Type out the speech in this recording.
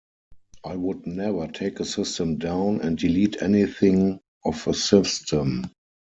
I would never take a system down and delete anything off of a system.